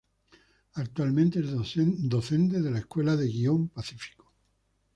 Actualmente, es docente de la Escuela de guion Pacífico.